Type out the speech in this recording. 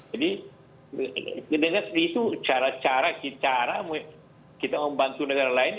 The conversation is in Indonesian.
jadi dengan cara cara kita membantu negara lain